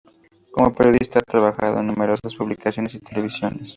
Como periodista ha trabajado en numerosas publicaciones y televisiones.